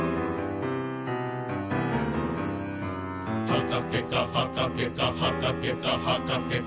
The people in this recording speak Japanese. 「はかけかはかけかはかけかはかけか」